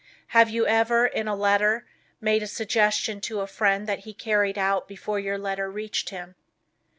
Have you ever, in a letter, made a suggestion to a friend that he carried out before your letter reached him?